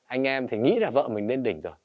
anh em thì nghĩ là vợ mình nên đỉnh rồi